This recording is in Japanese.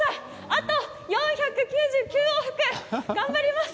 あと４９９往復頑張ります。